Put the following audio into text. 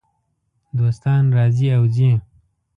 دوستان راځي او ځي .